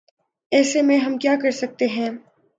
ایسے میں ہم کیا کر سکتے ہیں ۔